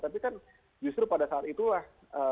tapi kan justru pada saat itulah